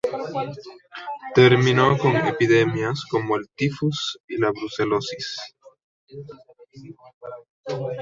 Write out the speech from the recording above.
Terminó con epidemias como el tifus y la brucelosis.